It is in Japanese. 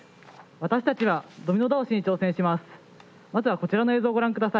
私たちはドミノ倒しに挑戦します。